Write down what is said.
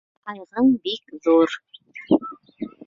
Ҡайғың бик ҙур.